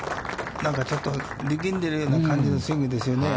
なんかちょっと力んでいるような感じのスイングですよね。